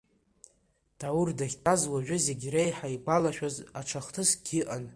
Даур дахьтәаз уажәы зегь реиҳа игәалашәоз аҽа хҭыскгьы ыҟан…